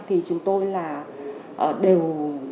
thì chúng tôi là đều